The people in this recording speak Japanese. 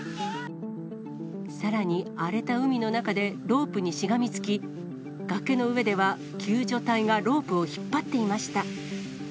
さらに荒れた海の中でロープにしがみつき、崖の上では救助隊がロープを引っ張っていました。